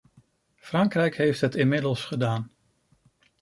Frankrijk heeft het inmiddels gedaan.